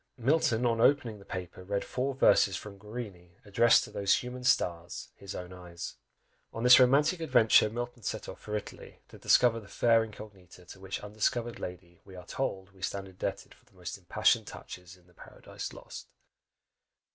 Milton on opening the paper read four verses from Guarini, addressed to those "human stars," his own eyes! On this romantic adventure, Milton set off for Italy, to discover the fair "incognita," to which undiscovered lady we are told we stand indebted for the most impassioned touches in the Paradise Lost!